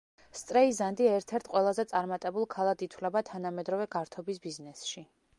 სტრეიზანდი ერთ-ერთ ყველაზე წარმატებულ ქალად ითვლება თანამედროვე გართობის ბიზნესში.